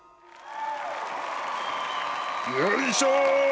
よいしょ！